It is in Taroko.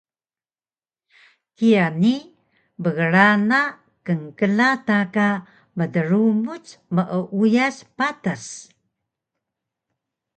kiya ni pgrana knkla ta ka mdrumuc meuyas patas